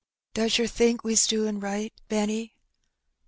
" Does yer think we's doin' right, Benny